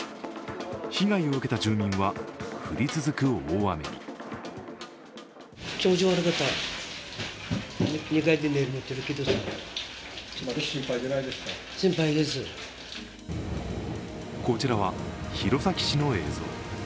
被害を受けた住民は降り続く大雨にこちらは弘前市の映像。